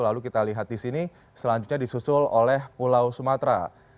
lalu kita lihat di sini selanjutnya disusul oleh pulau sumatera